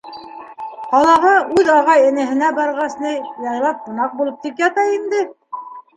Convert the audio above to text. Ҡалаға, үҙ ағай-энеһенә барғас ни, яйлап ҡунаҡ булып тик ята инде.